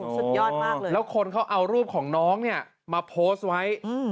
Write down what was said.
สุดยอดมากเลยแล้วคนเขาเอารูปของน้องเนี่ยมาโพสต์ไว้